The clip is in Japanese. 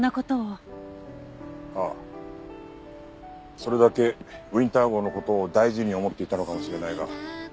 それだけウィンター号の事を大事に思っていたのかもしれないが。